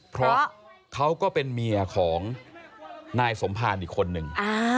เพราะเขาก็เป็นเมียของนายสมภารอีกคนนึง